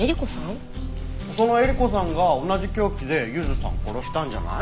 そのえり子さんが同じ凶器でゆずさんを殺したんじゃない？